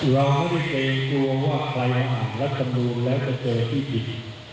เราไม่เป็นกลัวว่าใครมาอ่านรัฐกรรมนุมแล้วจะเจอที่ผิด